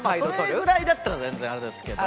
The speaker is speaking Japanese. それぐらいだったら全然あれですけど。